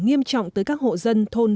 nghiêm trọng tới các hộ dân thôn